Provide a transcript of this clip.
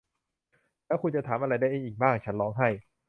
และคุณจะถามอะไรอีกได้บ้าง ฉันร้องไห้